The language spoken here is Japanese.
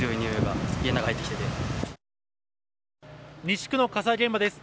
西区の火災現場です。